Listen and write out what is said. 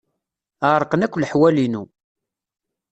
Ɛerqen akk leḥwal-inu.